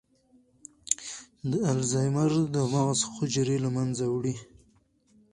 د الزایمر د مغز حجرې له منځه وړي.